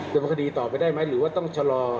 ดำเนินคดีต่อไปได้ไหมหรือว่าต้องชะลอ